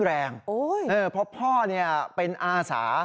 เพราะพ่อเป็นอาสา